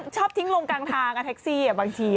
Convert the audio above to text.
ชอบทิ้งลงกลางทางแท็กซี่บางที